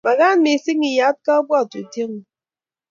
Kamagat mising iyat kabuatutietngung'